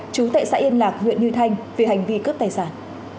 trú tệ xã yên lạc huyện như thanh vì hành vi cướp tài sản